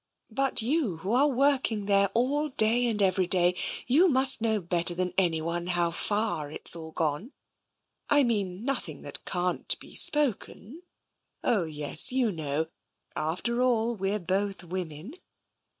But you, who are working there all day and every day — you must know better than any one how far it's all gone. I mean nothing that can't be spoken — oh, yes, you know — after all, we're both women.